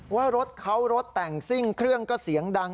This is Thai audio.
ว่ารถเขารถแต่งซิ่งเครื่องก็เสียงดัง